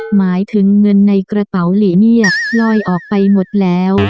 หมายถึงเงินในกระเป๋าหลีเนี่ยลอยออกไปหมดแล้ว